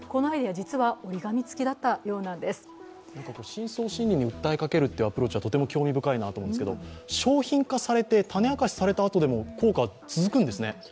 深層心理に訴えかけるというアプローチはとても興味深いなと思うんですけれども、商品化されて種明かしされたあとでも効果は続くんですね。